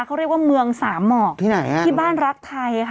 เค้าเรียกว่าเมืองสามหมอกที่บ้านรักไทย